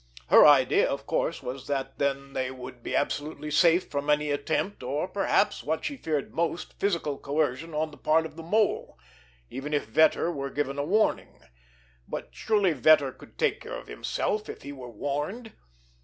Her idea, of course, was that then they would be absolutely safe from any attempt, or, perhaps what she feared most, physical coercion on the part of the Mole—even if Vetter were given a warning. But surely Vetter could take care of himself if he were warned!